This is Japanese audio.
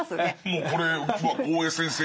もうこれ大江先生